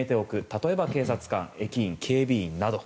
例えば警察官、駅員、警備員など。